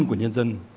của nhân dân